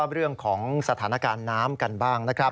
เรื่องของสถานการณ์น้ำกันบ้างนะครับ